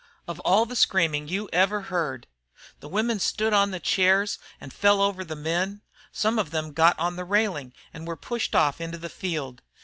Of all the screaming you ever heard! The women stood on the chairs and fell all over the men. Some of them got on the railing and were pushed off into the field.